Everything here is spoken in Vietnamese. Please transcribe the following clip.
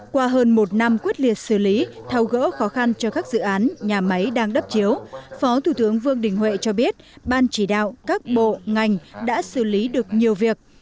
qua hơn một năm quyết liệt xử lý thao gỡ khó khăn cho các dự án nhà máy đang đắp chiếu phó thủ tướng vương đình huệ cho biết ban chỉ đạo các bộ ngành đã xử lý được nhiều việc